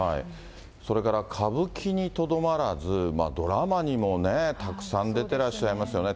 それから歌舞伎にとどまらず、ドラマにもね、たくさん出てらっしゃいますよね。